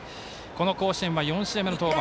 この甲子園は４試合目の登板。